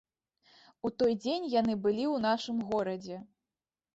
У той дзень яны былі ў нашым горадзе.